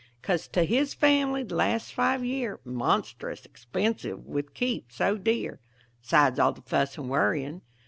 Cuss to his family the last five year Monstrous expensive with keep so dear 'Sides all the fuss and worrying.